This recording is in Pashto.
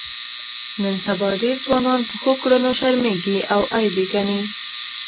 نن سبا ډېر ځوانان په ښو کړنو شرمېږي او عیب یې ګڼي.